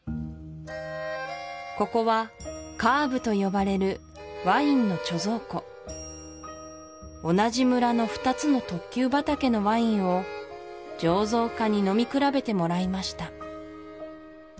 ここはカーヴと呼ばれるワインの貯蔵庫同じ村の２つの特級畑のワインを醸造家に飲み比べてもらいました